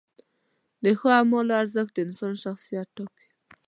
د ښو اعمالو ارزښت د انسان شخصیت ټاکي.